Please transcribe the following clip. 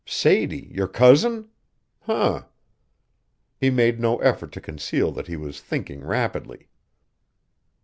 "Sadie your cousin? H'm." He made no effort to conceal that he was thinking rapidly.